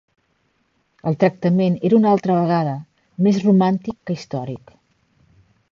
El tractament era una altra vegada més romàntic que històric.